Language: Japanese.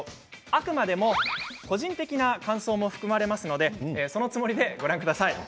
あくまでも個人的な感想も含まれますのでそのつもりで、ご覧ください。